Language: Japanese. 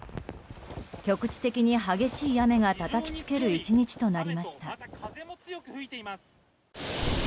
局地的に激しい雨がたたきつける１日となりました。